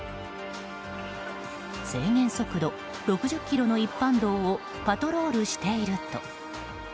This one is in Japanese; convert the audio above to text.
制限速度６０キロの一般道をパトロールしていると。